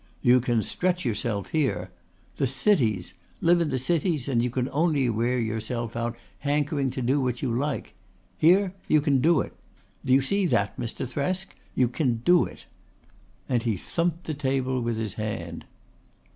"You can stretch yourself here. The cities! Live in the cities and you can only wear yourself out hankering to do what you like. Here you can do it. Do you see that, Mr. Thresk? You can do it." And he thumped the table with his hand.